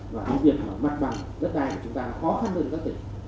và cái việc mà mặt bằng đất đai của chúng ta nó khó khăn hơn các tỉnh